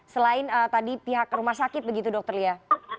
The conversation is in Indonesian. selain tadi pihak rumah sakit begitu dokter lia